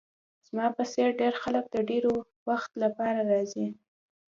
زما په څیر ډیر خلک د ډیر وخت لپاره راځي